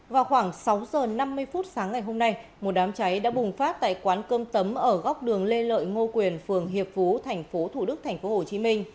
vào khoảng sáu giờ năm mươi phút sáng ngày hôm nay một đám cháy đã bùng phát tại quán cơm tấm ở góc đường lê lợi ngô quyền phường hiệp phú tp thủ đức tp hcm